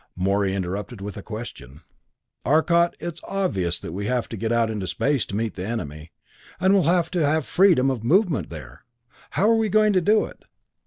Morey interrupted with a question. "Arcot, it's obvious that we have to get out into space to meet the enemy and we'll have to have freedom of movement there. How are we going to do it?